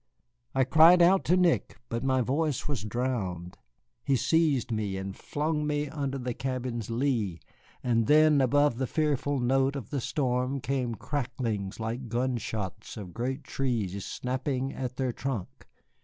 I cried out to Nick, but my voice was drowned. He seized me and flung me under the cabin's lee, and then above the fearful note of the storm came cracklings like gunshots of great trees snapping at their trunk.